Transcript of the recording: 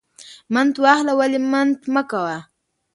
ـ منت واخله ولی منت مکوه.